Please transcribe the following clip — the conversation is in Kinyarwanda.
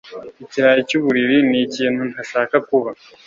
Ikirayi cyuburiri nikintu ntashaka kuba